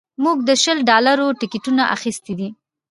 موږ د شل ډالرو ټکټونه اخیستي دي